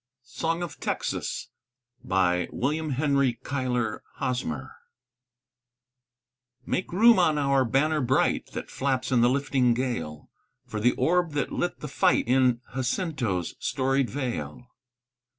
SONG OF TEXAS Make room on our banner bright That flaps in the lifting gale, For the orb that lit the fight In Jacinto's storied vale.